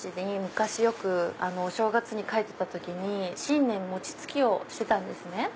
家に昔よくお正月に帰ってた時に新年餅つきをしてたんですね。